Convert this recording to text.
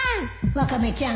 ワカメちゃん